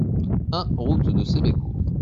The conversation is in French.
un route de Sébécourt